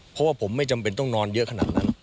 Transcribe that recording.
เพราะว่าผมไม่จำเป็นต้องนอนเยอะขนาดนั้น